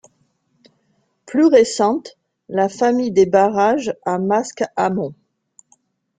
Plus récente, la famille des barrages à masque amont.